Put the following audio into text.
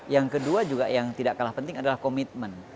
yang kedua juga yang tidak kalah penting adalah komitmen